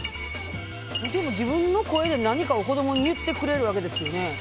でも、自分の声で何かを子供に言ってくれるわけですよね。